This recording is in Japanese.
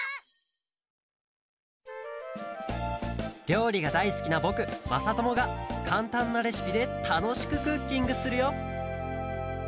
りょうりがだいすきなぼくまさともがかんたんなレシピでたのしくクッキングするよ